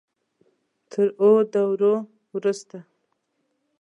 تر اوو دورو وروسته.